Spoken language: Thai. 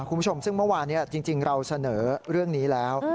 คุณผู้ชมซึ่งเมื่อวานนี้จริงเราเสนอเรื่องนี้แล้ว